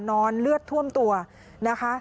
เลือดท่วมตัวนะคะ